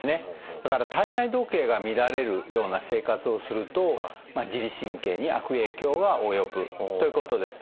だから体内時計が乱れるような生活をすると自律神経に悪影響が及ぶということです。